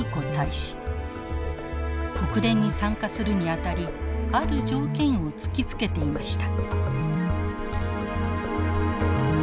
国連に参加するにあたりある条件を突きつけていました。